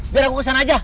biar aku kesana aja